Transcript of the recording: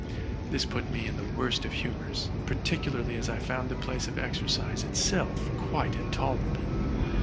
This put me in the worst of humors, particularly as I found the place of exercise itself quite intolerable.